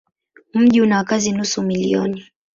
Mji una wakazi nusu milioni.